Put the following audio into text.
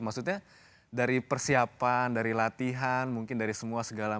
maksudnya dari persiapan dari latihan mungkin dari semua hal hal itu